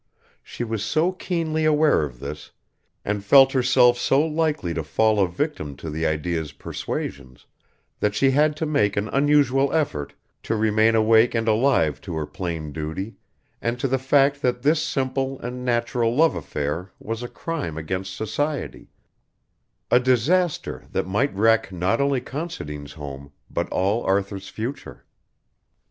She was so keenly aware of this, and felt herself so likely to fall a victim to the idea's persuasions, that she had to make an unusual effort, to remain awake and alive to her plain duty, and to the fact that this simple and natural love affair was a crime against society, a disaster that might wreck not only Considine's home, but all Arthur's future.